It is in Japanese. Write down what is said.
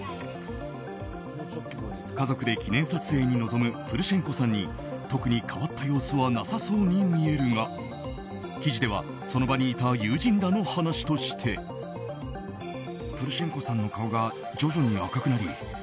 家族で記念撮影に臨むプルシェンコさんに特に変わった様子はなさそうに見えるが、記事ではその場にいた友人らの話として。と、伝えた。